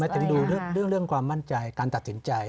จะได้ดูเรื่องความมั่นใจการตัดสินใจ